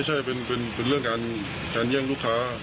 ใช่เป็นเรื่องการแย่งลูกค้า